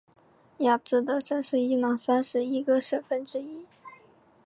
亚兹德省是伊朗三十一个省份之一。